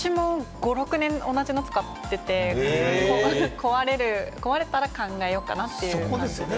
私も５６年、同じの使ってて、壊れたら考えようかなっていう。